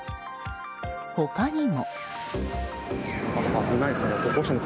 他にも。